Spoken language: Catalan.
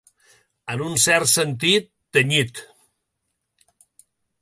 En un cert sentit, tenyit.